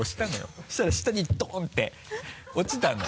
そしたら下にドン！って落ちたの。